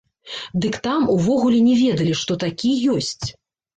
Дык там увогуле не ведалі, што такі ёсць.